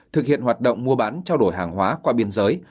thực hiện hoạt động mua bán trao đổi hàng hóa qua biên giới